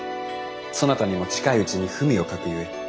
そなたにも近いうちに文を書くゆえ。